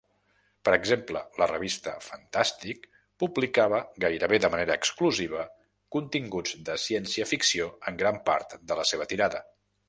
Per exemple, la revista "Fantastic" publicava, gairebé de manera exclusiva, continguts de ciència-ficció en gran part de la seva tirada.